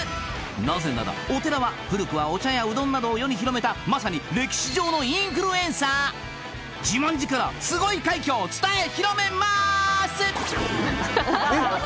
なぜならお寺は古くはお茶やうどんなどを世に広めたまさに歴史上のインフルエンサー自慢寺からすごい快挙を伝え広めまーすえっ！